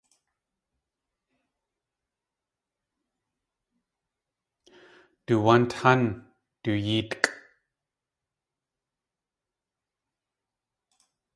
Du tuwánt hán du yéetkʼ.